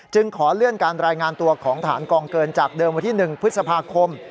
ขอเลื่อนการรายงานตัวของฐานกองเกินจากเดิมวันที่๑พฤษภาคม